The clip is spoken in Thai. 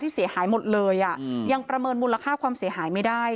เสียหายหมดเลยอ่ะยังประเมินมูลค่าความเสียหายไม่ได้